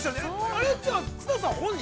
あれ、じゃあ、綱さん本人？